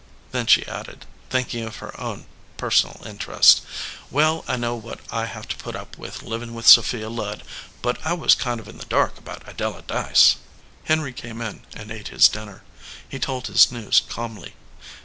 Then she added, thinking of her own personal interest, "Well, I know what I have to put up with livin with Sophia Ludd, but I was kind of in the dark about Adela Dyce." 259 EDGEWATER PEOPLE Henry came in and ate his dinner. He told his news calmly.